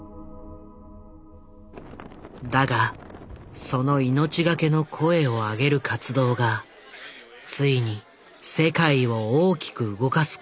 だがその命がけの声を上げる活動がついに世界を大きく動かすことに。